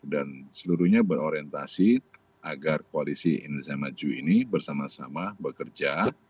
dan seluruhnya berorientasi agar koalisi indonesia maju ini bersama sama bekerja